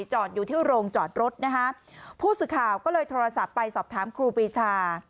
จอดอยู่ที่โรงจอดรถนะคะผู้สื่อข่าวก็เลยโทรศัพท์ไปสอบถามครูปีชา